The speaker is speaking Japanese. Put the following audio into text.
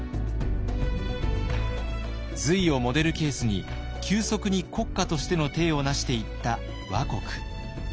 隋をモデルケースに急速に国家としての体を成していった倭国。